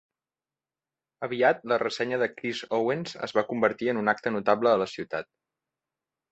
Aviat la "Ressenya de Chris Owens" es va convertir en un acte notable a la ciutat.